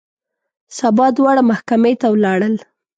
سبا دواړه محکمې ته ولاړل.